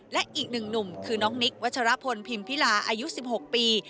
และอีกหนึ่งหนุ่มคือน้องนิกวัชรพลพิมพิลาอายุ๑๖ปี